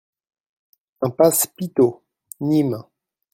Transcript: Impasse Pitot, Nîmes